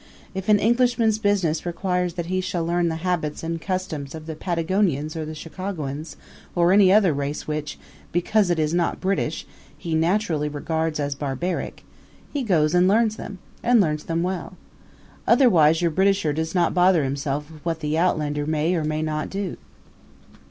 If an Englishman's business requires that he shall learn the habits and customs of the Patagonians or the Chicagoans or any other race which, because it is not British, he naturally regards as barbaric, he goes and learns them and learns them well. Otherwise your Britisher does not bother himself with what the outlander may or may not do.